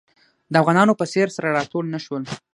د افغانانو په څېر سره راټول نه شو.